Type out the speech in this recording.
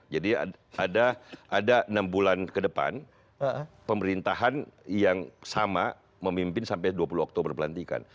jadi ada enam bulan ke depan pemerintahan yang sama memimpin sampai dua puluh oktober pelantikan